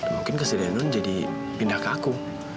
mungkin kesedihan non jadi pindah ke aku